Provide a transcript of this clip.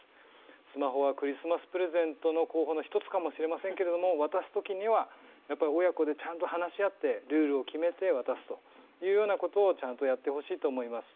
スマホはクリスマスプレゼントの候補の一つかもしれませんが渡すときには親子でちゃんと話し合ってルールを決めて渡すということをちゃんとやってほしいと思います。